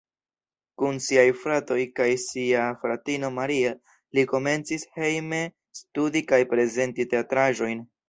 Kun siaj fratoj kaj sia fratino Maria li komencis hejme studi kaj prezenti teatraĵojn.